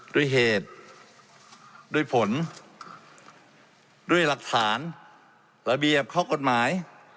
ด้วยเหตุด้วยผลด้วยหลักฐานระเบียบข้อกฎหมาย